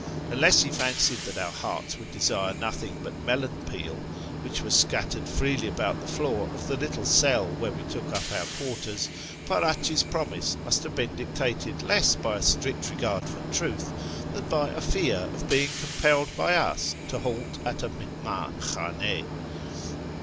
Unless he fancied that our hearts would desire nothing but melon peel, which was scattered freely about the floor of the little cell where we took up our quarters, Farach's promise must have been dictated less by a strict regard for truth than by a fear of being compelled by us to halt at a mihmdn khdnd.